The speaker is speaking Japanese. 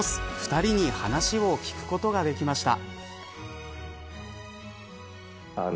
２人に話を聞くことができました。